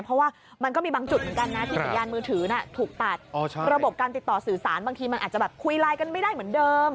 เพราะว่ามันก็มีบางจุดเหมือนกันนะที่สัญญาณมือถือถูกตัดระบบการติดต่อสื่อสารบางทีมันอาจจะแบบคุยไลน์กันไม่ได้เหมือนเดิม